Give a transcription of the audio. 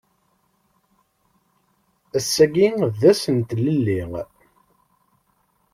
Ass-agi d ass n tlelli